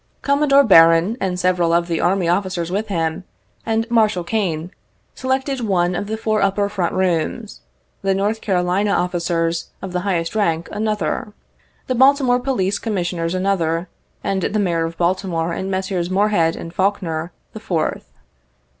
Commodore Barron and several of the army officers with him, and Marshal Kane, selected one of the four upper front rooms ; the North Carolina officers of the highest rank another ; the Balti more Police Commissioners another ; and the Mayor of Baltimore and Messrs. Morehead and Faulkner the fourth.